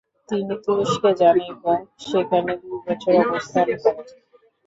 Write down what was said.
তিনি তুরস্কে যান এবং সেখানে দুই বছর অবস্থান করেন।